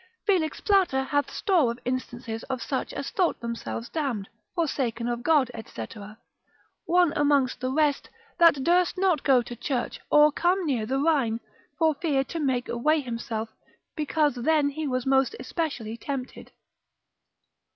Felix Plater hath store of instances of such as thought themselves damned, forsaken of God, &c. One amongst the rest, that durst not go to church, or come near the Rhine, for fear to make away himself, because then he was most especially tempted.